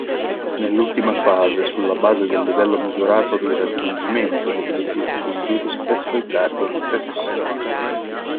Nell'ultima fase, sulla base del livello misurato di raggiungimento degli obiettivi rispetto ai target prefissati.